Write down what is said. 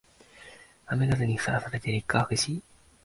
雨風にさらされて劣化が激しい